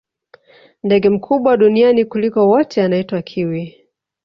ndege mkubwa duniani kuliko wote anaitwa kiwi